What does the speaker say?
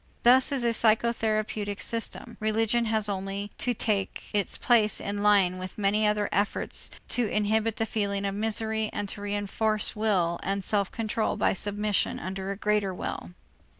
Thus in a psychotherapeutic system, religion has only to take its place in line with many other efforts to inhibit the feeling of misery and to reënforce will and self control by submission under a greater will.